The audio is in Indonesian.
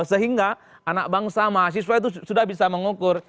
sehingga anak bangsa mahasiswa itu sudah bisa mengukur